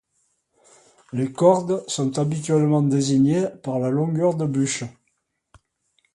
Les cordes sont habituellement désignées par la longueur de bûche.